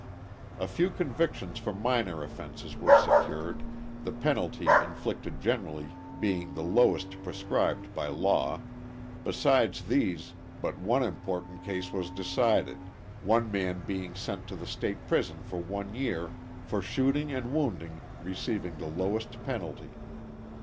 A few convictions for minor offenses were secured, the penalty inflicted generally being the lowest prescribed by law; besides these, but one important case was decided, one man being sent to the State prison for one year for shooting and wounding, receiving the lowest penalty.